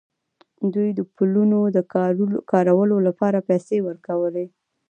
دوی د پلونو کارولو لپاره پیسې ورکولې.